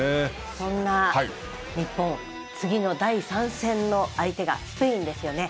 そんな日本次の第３戦の相手がスペインですよね。